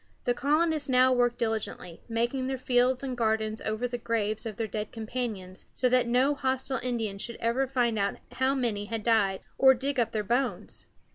The colonists now worked diligently, making their fields and gardens over the graves of their dead companions, so that no hostile Indians should ever find out how many had died, or dig up their bones.